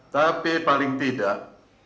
tapi paling tidak